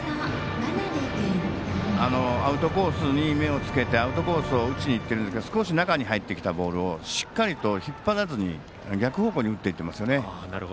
アウトコースに目をつけてアウトコースを打ちにいってるんですが少し中に入ってきたボールを引っ張らずに逆方向に打っていってますね。